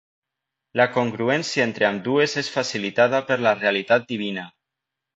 La congruència entre ambdues és facilitada per la realitat divina.